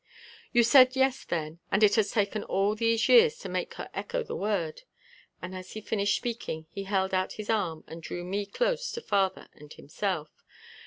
"You said 'yes' then and it has taken all these years to make her echo the word," and as he finished speaking he held out his arm and drew me close to father and himself.